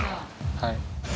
はい。